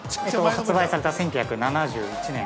◆発売された１９７１年。